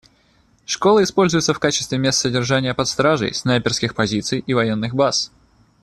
Школы используются в качестве мест содержания под стражей, снайперских позиций и военных баз.